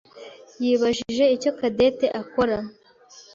yibajije icyo Cadette akora.